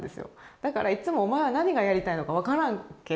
だからいつもお前は何がやりたいのか分からんけど